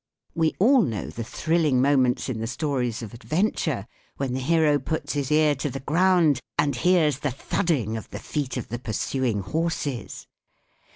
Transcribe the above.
We all know the thrilling moments in the stories of adventure when the hero puts his ear to the ground and hears the thudding of the feet of the pursuing horses.